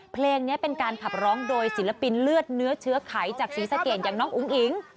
เพลงนี้เป็นการขับร้องโดยศิลปินเลือดเนื้อเชื้อไขจากศรีสะเกดอย่างน้องอุ๋งอิ๋ง